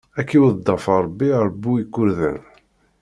Ad k-iweddef Ṛebbi ar bu ikurdan!